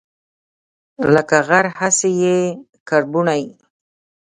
لکه غر، هغسي یې کربوڼی